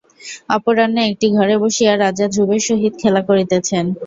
অপরাহ্নে একটি ঘরে বসিয়া রাজা ধ্রুবের সহিত খেলা করিতেছেন।